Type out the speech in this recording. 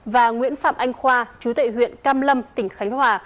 và nguyễn phạm anh khoa chú tệ huyện cam lâm tỉnh khánh hòa